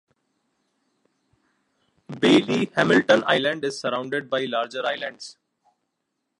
Baillie-Hamilton Island is surrounded by larger islands.